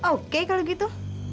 oke kalau gitu